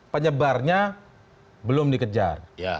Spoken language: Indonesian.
penyebarnya belum dikejar